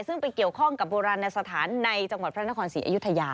ซึ่งไปเกี่ยวข้องกับโบราณสถานในจังหวัดพระนครศรีอยุธยา